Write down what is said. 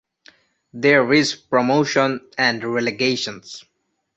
There is promotion and relegation.